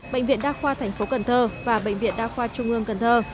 bệnh viện đa khoa thành phố cần thơ và bệnh viện đa khoa trung ương cần thơ